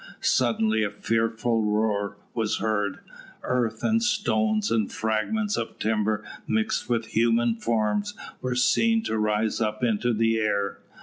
Suddenly a fearful roar was heard. Earth and stones, and fragments of timber mixed with human forms, were seen to rise up into the air.